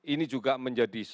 ini juga menjadi sasaran